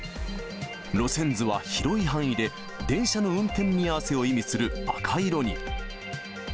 路線図は広い範囲で電車の運転見合わせを意味する赤色に。